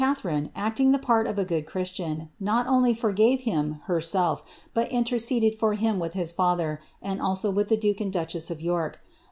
Yet Catharine, acting the part of a good Christian, not only for gave him herself, but interceded for him with his father, and also with the duke and duchess of York.